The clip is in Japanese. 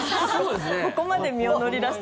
ここまで身を乗り出して。